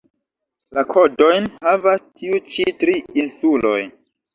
La kodojn havas tiu ĉi tri insuloj.